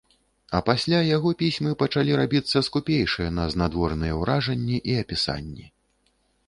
А пасля яго пісьмы пачалі рабіцца скупейшыя на знадворныя ўражанні і апісанні.